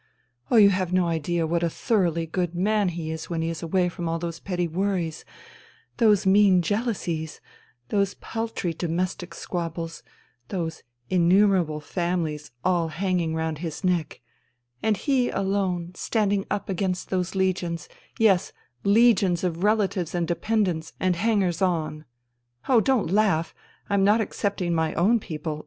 Oh, you have no idea what a thoroughly good man he is when he is away from all those petty worries, those mean jealousies, those paltry domestic squabbles, those innumerable families all hanging round his neck, and he, alone, standing up against those legions, yes, legions of relatives and dependents and hangers on. Oh, don't laugh. I'm not excepting my own people.